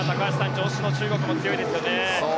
女子の中国も強いですね。